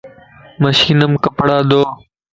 مشين مَ ڪپڙا ڌو